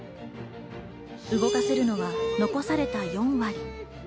動かせるのは残された４割。